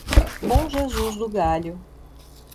Bom Jesus do Galho